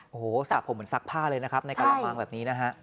โอ้โหสระผมเหมือนซักผ้าเลยนะครับในกระมังแบบนี้นะฮะ